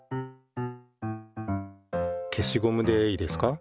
消しゴムでいいですか。